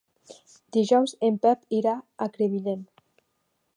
Dijous en Pep irà a Crevillent.